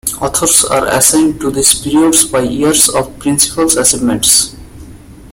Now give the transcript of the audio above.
Authors are assigned to these periods by years of principal achievements.